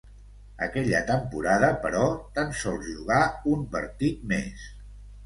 Aquella temporada però, tan sols jugà un partit més.